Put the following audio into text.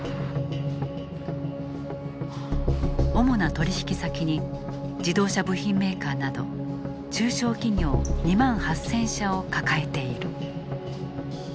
主な取引先に自動車部品メーカーなど中小企業２万８０００社を抱えている。